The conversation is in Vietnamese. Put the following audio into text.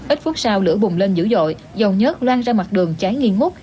ít phút sau lửa bùng lên dữ dội dầu nhớt loan ra mặt đường cháy nghi ngút